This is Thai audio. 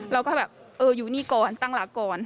เราก็แบบเอออยู่นี่ก่อนตั้งหลักก่อน